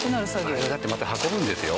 あれをだってまた運ぶんですよ？